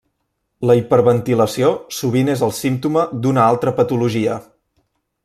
La hiperventilació sovint és el símptoma d'una altra patologia.